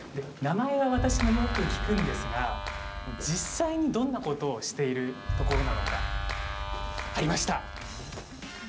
名前は私もよく聞くんですが実際にどんなことをしているところなのかありました。